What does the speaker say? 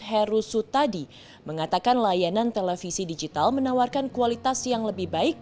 heru sutadi mengatakan layanan televisi digital menawarkan kualitas yang lebih baik